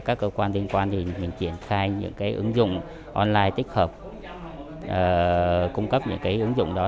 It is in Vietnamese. các cơ quan liên quan thì mình triển khai những cái ứng dụng online tích hợp cung cấp những cái ứng dụng đó